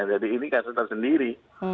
jadi ini kasus tersendiri